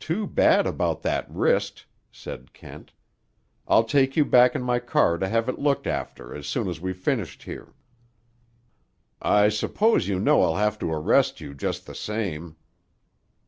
"Too bad about that wrist," said Kent. "I'll take you back in my car to have it looked after as soon as we've finished here." "I s'pose you know I'll have to arrest you, just the same."